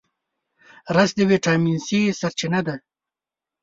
رس د ویټامین C سرچینه ده